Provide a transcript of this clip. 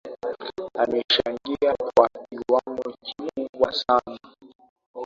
amechangia kwa kiwango kikubwa sana